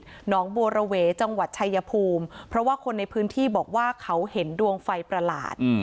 หนองบัวระเวจังหวัดชายภูมิเพราะว่าคนในพื้นที่บอกว่าเขาเห็นดวงไฟประหลาด